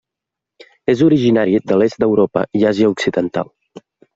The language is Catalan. És originari de l'est d'Europa i Àsia occidental.